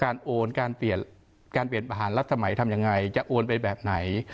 โอนการเปลี่ยนการเปลี่ยนประหารรัฐสมัยทำยังไงจะโอนไปแบบไหน